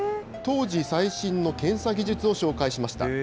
当時最新の検査技術を紹介しました。